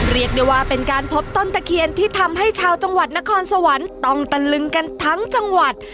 เรียกได้ว่าเป็นการพบต้นตะเคียนที่ทำให้ชาวจังหวัดนครสวรรค์ต้องตะลึงกันทั้งจังหวัด